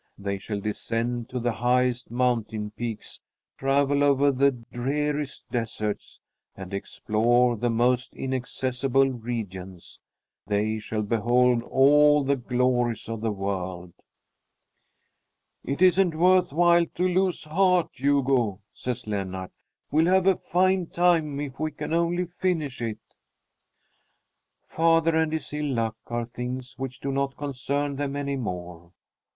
They shall descend to the highest mountain peaks, travel over the dreariest deserts, and explore the most inaccessible regions. They shall behold all the glories of the world. "It isn't worth while to lose heart, Hugo," says Lennart. "We'll have a fine time if we can only finish it!" Father and his ill luck are things which do not concern them any more.